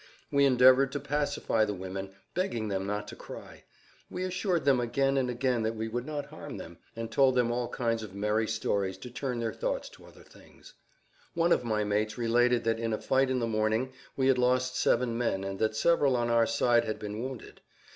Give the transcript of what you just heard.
We endeavored to pacify the women, begging them not to cry; we assured them again and again that we would not harm them, and told them all kinds of merry stories to turn their thoughts to other things. One of my mates related that in a fight in the morning, we had lost seven men and that several on our side had been wounded.